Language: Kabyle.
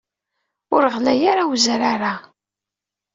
Ur ɣlay ara wezrar-a.